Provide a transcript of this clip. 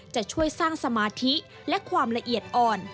จะช่วยสร้างสมาธิและความละเอียดอ่อน